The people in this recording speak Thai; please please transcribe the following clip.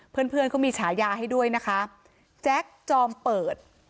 เพื่อนเพื่อนเขามีฉายาให้ด้วยนะคะแจ็คจอมเปิด